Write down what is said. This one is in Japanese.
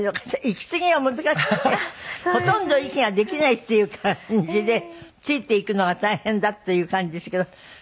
息継ぎが難しくてほとんど息ができないっていう感じでついていくのが大変だという感じでしたけど。